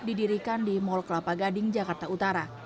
didirikan di mall kelapa gading jakarta utara